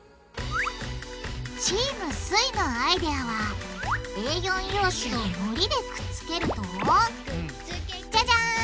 チームすイのアイデアはＡ４用紙をのりでくっつけるとじゃじゃん！